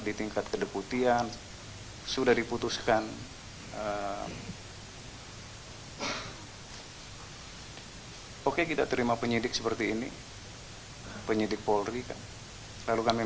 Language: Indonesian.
di tingkat kedeputian sudah diputuskan oke kita terima penyidik seperti ini penyidik polri kan lalu kami